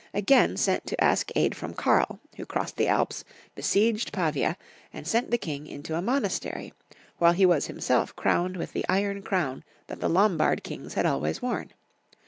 again sent to ask aid from Karl, who crossed the Alps, besieged Pavia, and sent the king into a monastery, while he was himself crowned with the iron crown that the Lombard kings had always worn.